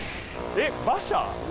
えっ、馬車！？